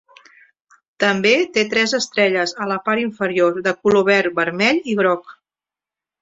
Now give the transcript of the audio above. També té tres estrelles a la part inferior, de color verd, vermell i groc.